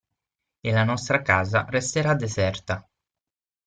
E la nostra casa resterà deserta.